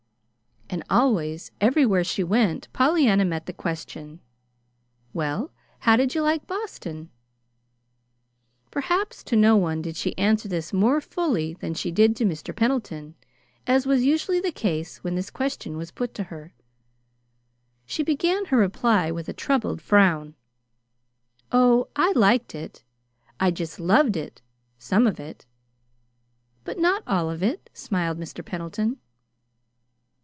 And always, everywhere she went, Pollyanna met the question: "Well, how did you like Boston?" Perhaps to no one did she answer this more fully than she did to Mr. Pendleton. As was usually the case when this question was put to her, she began her reply with a troubled frown. "Oh, I liked it I just loved it some of it." "But not all of it?" smiled Mr. Pendleton.